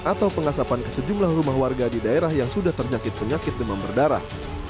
atau pengasapan ke sejumlah rumah warga di daerah yang sudah ternyakit penyakit demam berdarah